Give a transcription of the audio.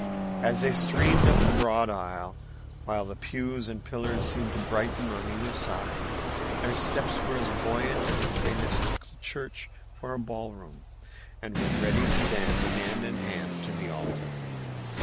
As they streamed up the broad aisle, while the pews and pillars seemed to brighten on either side, their steps were as buoyant as if they mistook the church for a ball room and were ready to dance hand in hand to the altar.